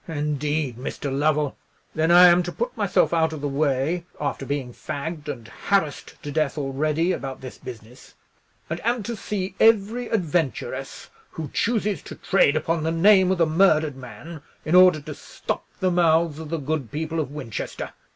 "Indeed, Mr. Lovell. Then I am to put myself out of the way—after being fagged and harassed to death already about this business—and am to see every adventuress who chooses to trade upon the name of the murdered man, in order to stop the mouths of the good people of Winchester.